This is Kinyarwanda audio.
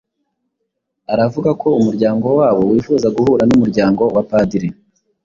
aravuga ko umuryango wabo wifuza guhura n’umuryango wa Padiri